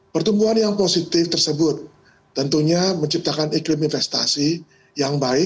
pertumbuhan yang positif tersebut tentunya menciptakan iklim infrastruktur